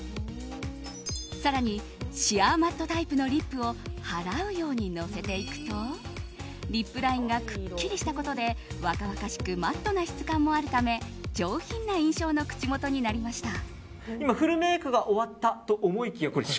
更に、シアーマットタイプのリップを払うようにのせていくとリップラインがくっきりしたことで若々しくマットな質感もあるため上品な印象の口元になりました。